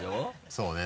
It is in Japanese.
そうね。